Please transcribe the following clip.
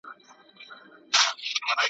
هم باندي جوړ سول لوی زیارتونه .